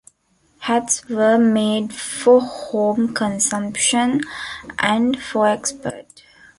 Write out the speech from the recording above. Hats were made for home consumption and for export.